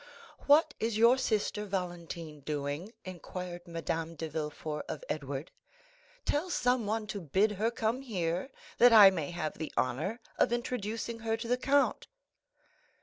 "What is your sister Valentine doing?" inquired Madame de Villefort of Edward; "tell someone to bid her come here, that I may have the honor of introducing her to the count."